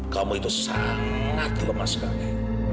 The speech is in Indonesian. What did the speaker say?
kamu itu sangat lemah sekali